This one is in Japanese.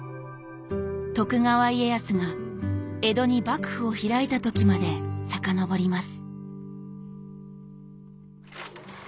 徳川家康が江戸に幕府を開いた時まで遡ります。